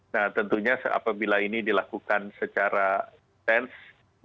nah tentunya apabila ini dilakukan secara intens